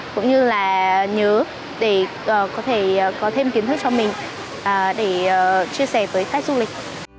cũng như là nhớ để có thêm kiến thức cho mình để chia sẻ với khách du lịch